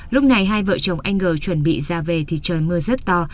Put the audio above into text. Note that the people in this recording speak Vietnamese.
lúc này hai vợ chồng anh g chuẩn bị ra về thì trời mưa rất to